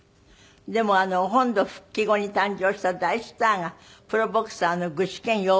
でも本土復帰後に誕生した大スターがプロボクサーの具志堅用高さん。